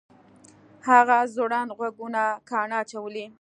هغه ځوړند غوږونه کاڼه اچولي